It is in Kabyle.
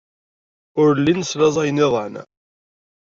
Ur llin slaẓayen iḍan.